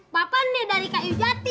papan dia dari kayu jati